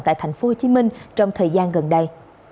tại tp hcm trong thời gian gần đây